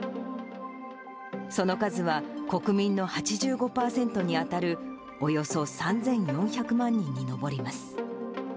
その数は国民の８５％に当たるおよそ３４００万人に上ります。